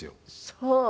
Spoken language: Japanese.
そう。